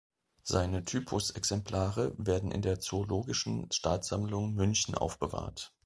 Seine Typusexemplare werden in der Zoologischen Staatssammlung München aufbewahrt.